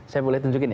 saya boleh tunjukin ya